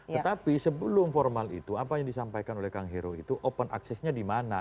tetapi sebelum formal itu apa yang disampaikan oleh kang hero itu open accessnya di mana